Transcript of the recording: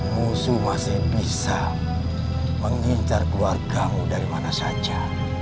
musuh masih bisa mengincar keluargamu dari mana saja